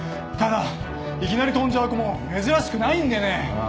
ただいきなり飛んじゃう子も珍しくないんでね。